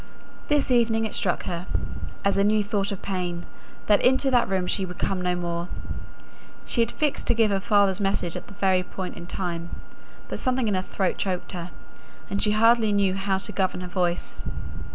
This evening, it struck her, as a new thought of pain, that into that room she would come no more. She had fixed to give her father's message at this very point of time; but something in her throat choked her, and she hardly knew how to govern her voice.